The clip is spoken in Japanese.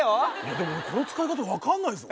でもこれの使い方分かんないぞ？